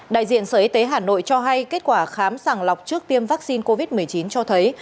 đại diện sở y tế hà nội cho hay kết quả khám sàng lọc trước tiêm vaccine covid một mươi chín cho thấy